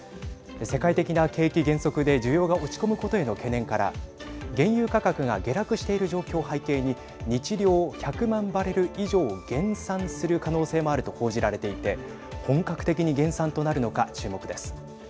世界的な景気減速で需要が落ち込むことへの懸念から原油価格が下落している状況を背景に日量１００万バレル以上減産する可能性もあると報じられていて本格的に減産となるのか注目です。